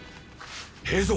平蔵